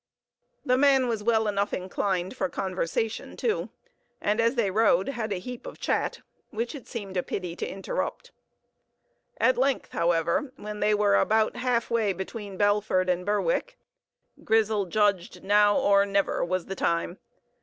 The man was well enough inclined for conversation, too, and as they rode had a heap of chat, which it seemed a pity to interrupt. At length, however, when they were about half way between Belford and Berwick, Grizel judged now or never was the time.